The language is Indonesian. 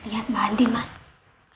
tuh lihat mbak andin mas kasian kan